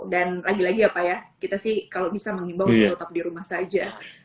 lagi lagi ya pak ya kita sih kalau bisa mengimbau untuk tetap di rumah saja